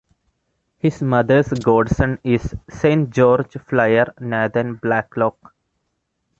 His mother's godson is Saint George flier Nathan Blacklock.